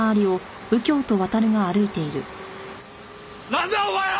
なんだお前ら！